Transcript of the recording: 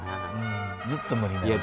ずっと無理なんや。